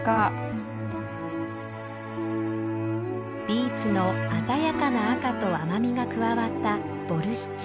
ビーツの鮮やかな赤と甘みが加わったボルシチ。